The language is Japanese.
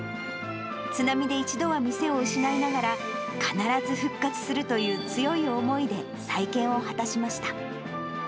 津波で一度は店を失いながら、必ず復活するという強い思いで再建を果たしました。